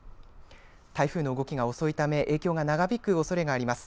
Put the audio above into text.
台風の動きが遅いため影響が長引くおそれがあります。